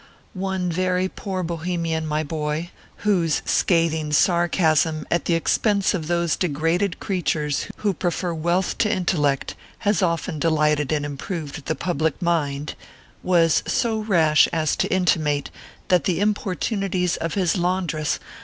One very poor Bohemian, my boy (whose scathing sarcasm at the expense of those degraded creatures who prefer wealth to intellect, has often delighted and improved the public mind), was so rash as to intimate that the importunities of his laundress ORPHEUS C. KERIl PAPERS.